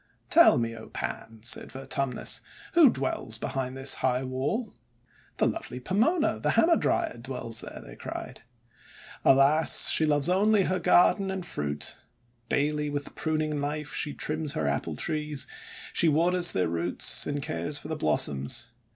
'Tell me, O Pans," said Vertumnus, 'who dwrells behind this high wall?' 'The lovely Pomona, the Hamadryad, dwells there!' they cried. "Alas! she loves only her garden and fruit! Daily with priming knife she trims her Apple Trees; and she waters their roots, and cares for the blossoms.